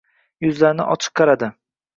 Yuzlarni ochib qaradi.